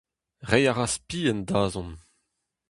Reiñ a ra spi en dazont.